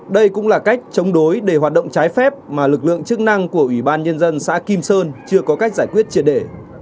đây cũng là cách chống đối để hoạt động trái phép mà lực lượng chức năng của ủy ban nhân dân xã kim sơn chưa có cách giải quyết triệt để